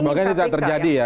semoga ini tidak terjadi ya